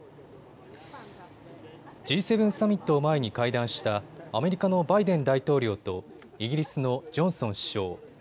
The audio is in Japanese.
Ｇ７サミットを前に会談したアメリカのバイデン大統領とイギリスのジョンソン首相。